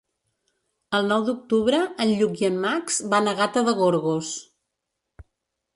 El nou d'octubre en Lluc i en Max van a Gata de Gorgos.